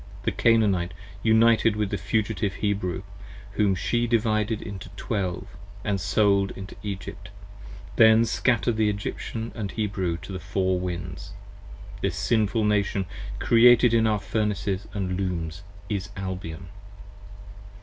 The Canaanite united with the fugitive Hebrew, whom she divided into Twelve, & sold into Egypt, 5 Then scatter'd the Egyptian & Hebrew to the four Winds: This sinful Nation Created in our Furnaces & Looms is Albion.